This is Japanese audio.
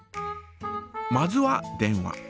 まずは電話。